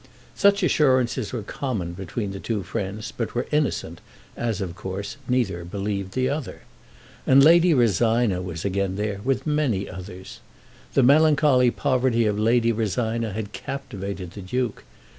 Such assurances were common between the two friends, but were innocent, as, of course, neither believed the other. And Lady Rosina was again there, with many others. The melancholy poverty of Lady Rosina had captivated the Duke.